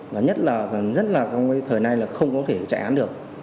và nhất là thời này là không có thể chạy án được